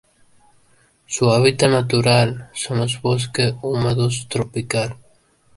Su hábitat natural son los bosques húmedos tropical.